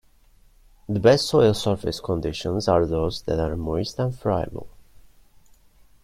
The best soil surface conditions are those that are moist and friable.